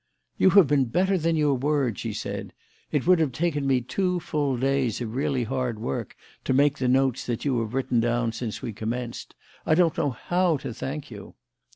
"You have been better than your word," she said. "It would have taken me two full days of really hard work to make the notes that you have written down since we commenced. I don't know how to thank you."